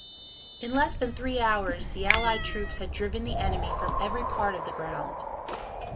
In less than three hours the allied troops had driven the enemy from every part of the ground.